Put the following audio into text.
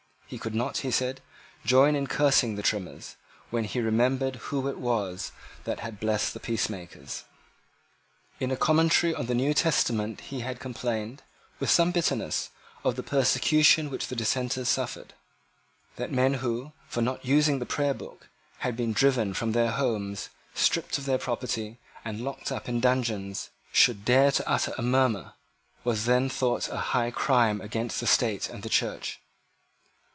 He could not, he said, join in cursing the Trimmers, when he remembered who it was that had blessed the peacemakers. In a Commentary on the New Testament he had complained, with some bitterness, of the persecution which the Dissenters suffered. That men who, for not using the Prayer Book, had been driven from their homes, stripped of their property, and locked up in dungeons, should dare to utter a murmur, was then thought a high crime against the State and the Church.